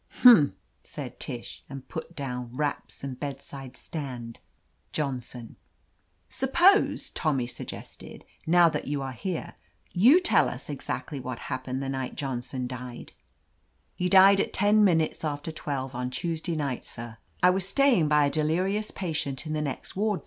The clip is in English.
"Humph!" said Tish, and put down "Raps and bedside stand. Johnson." 91 THE AMAZING ADVENTURES "Suppose," Tommy suggested, "now that you are here, you tell us exactly what happened the night Johnson died." "He died at ten minutes after twelve on Tuesday night, sir. I was staying by a deliri ous patient in the next ward.